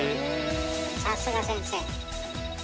さすが先生。